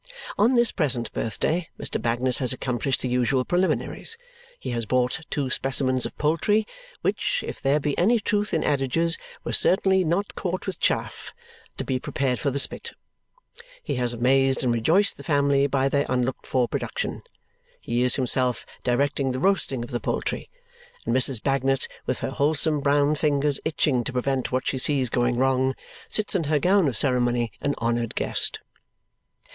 On this present birthday, Mr. Bagnet has accomplished the usual preliminaries. He has bought two specimens of poultry, which, if there be any truth in adages, were certainly not caught with chaff, to be prepared for the spit; he has amazed and rejoiced the family by their unlooked for production; he is himself directing the roasting of the poultry; and Mrs. Bagnet, with her wholesome brown fingers itching to prevent what she sees going wrong, sits in her gown of ceremony, an honoured guest.